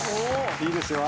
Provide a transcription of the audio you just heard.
いいですよ。